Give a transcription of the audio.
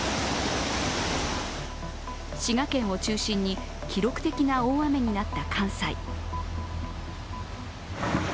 滋賀県を中心に記録的な大雨になった関西。